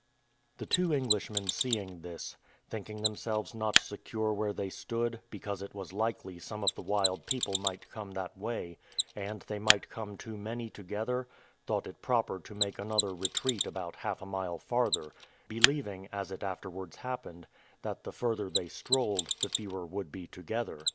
The two Englishmen seeing this, thinking themselves not secure where they stood, because it was likely some of the wild people might come that way, and they might come too many together, thought it proper to make another retreat about half a mile farther; believing, as it afterwards happened, that the further they strolled, the fewer would be together.